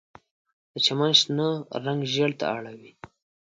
د چمن شنه رنګ ژیړ ته اړوي